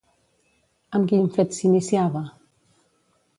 Amb quin fet s'iniciava?